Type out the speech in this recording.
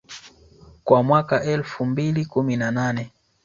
kwa mwaka elfu mbili kumi na nane